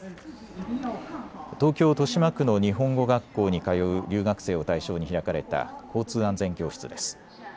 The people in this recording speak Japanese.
東京豊島区の日本語学校に通う留学生を対象に開かれた交通安全教室です。